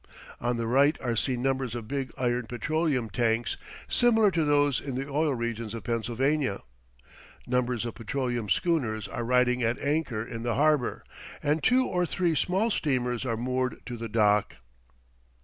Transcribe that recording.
On the right are seen numbers of big iron petroleum tanks similar to those in the oil regions of Pennsylvania. Numbers of petroleum schooners are riding at anchor in the harbor, and two or three small steamers are moored to the dock.